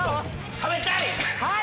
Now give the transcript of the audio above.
食べたい！